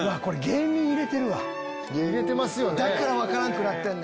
入れてますよね。